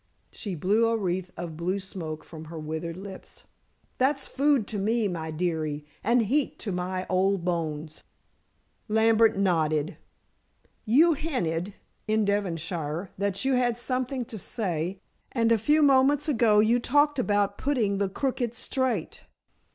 she blew a wreath of blue smoke from her withered lips, "that's food to me, my dearie, and heat to my old bones." Lambert nodded. "You hinted, in Devonshire, that you had something to say, and a few moments ago you talked about putting the crooked straight."